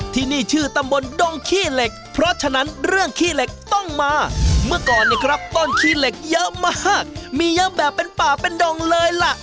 ที่นี่ชื่อตำบลดงขี้เหล็กเพราะฉะนั้นเรื่องขี้เหล็กต้องมาเมื่อก่อนเนี่ยครับต้นขี้เหล็กเยอะมากมีเยอะแบบเป็นป่าเป็นดงเลยล่ะ